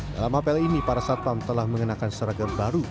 dalam apel ini para satpam telah mengenakan seragam baru